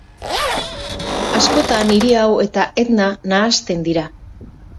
Askotan hiri hau eta Etna nahasten dira.